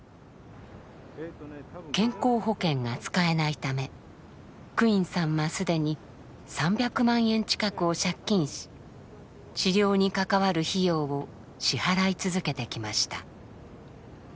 健康保険が使えないためクインさんは既に３００万円近くを借金し治療に関わる費用を支払い続けてきました。